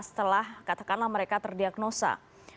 setelah katakanlah mereka terdiagnosa